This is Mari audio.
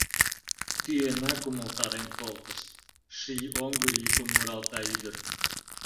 — Тӱенак умылтарен колтышт, — ший оҥгыр йӱкын муралта ӱдыр.